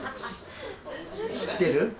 知ってる？